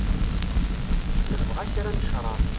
Nebɣa kra n cṛab.